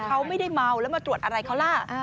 เขาไม่ได้เมาแล้วมาตรวจอะไรเขาล่ะ